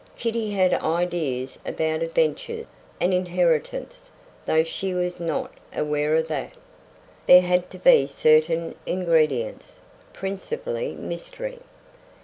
Kitty had ideas about adventure an inheritance, though she was not aware of that. There had to be certain ingredients, principally mystery.